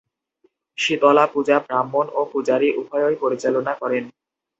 শীতলা পূজা ব্রাহ্মণ ও পূজারী উভয়ই পরিচালনা করেন।